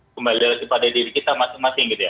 kembali lagi pada diri kita masing masing gitu ya